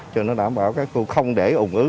cho nó đảm bảo các cô không để ủng ứ